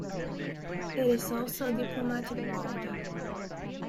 It is also a diplomatic border.